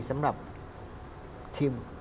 สำหรับทีม